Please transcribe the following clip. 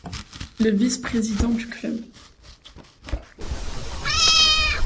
Le vice-président du club.